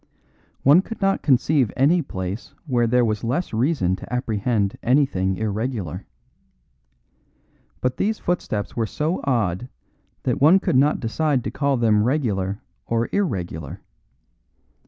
One could not conceive any place where there was less reason to apprehend anything irregular. But these footsteps were so odd that one could not decide to call them regular or irregular.